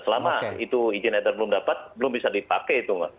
selama itu izin edar belum dapat belum bisa dipakai itu mbak